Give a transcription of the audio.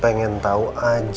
pengen tau aja